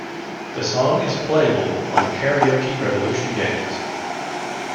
The song is playable on the Karaoke Revolution games.